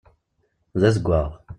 D azeggaɣ.